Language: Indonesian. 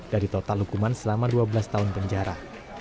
dari total hukuman selama dua belas tahun penjara